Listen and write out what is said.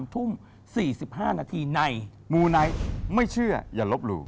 ทุ่ม๔๕นาทีในมูไนท์ไม่เชื่ออย่าลบหลู่